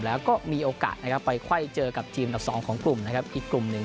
แล้วก็มีโอกาสไปค่อยเจอกับทีมดับสองของกลุ่มอีกกลุ่มหนึ่ง